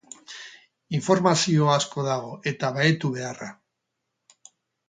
Informazio asko dago eta bahetu beharra.